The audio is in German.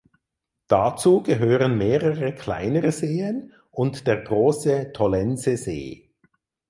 Dazu gehören mehrere kleinere Seen und der große Tollensesee.